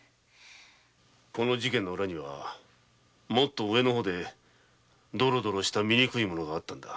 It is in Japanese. この事件の裏にはもっとドロドロした醜いものがあったんだ。